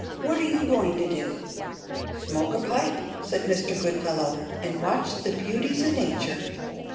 What are you going to do?" "Smoke a pipe," said Mr. Goodfellow, "and watch the beauties o' Nature."